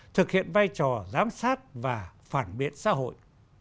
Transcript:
thực hiện vai trò giám sát và phản biện xã hội